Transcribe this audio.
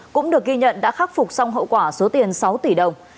cũng được ghi nhận đã khắc phục xong hậu quả số tiền sáu tỷ đồng